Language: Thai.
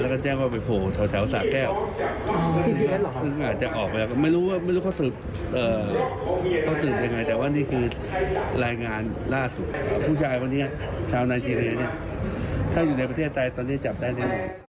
คนนี้ค่ะไม่ได้เพิ่งมาไทยนะใช่ไม่ได้เพิ่งมาไทยมาไทยตั้งแต่ปี